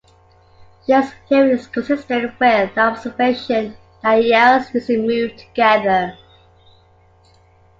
This theory is consistent with the observation that yields usually move together.